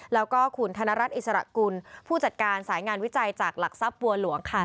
แล้วก็คุณธนรัฐอิสระกุลผู้จัดการสายงานวิจัยจากหลักทรัพย์บัวหลวงค่ะ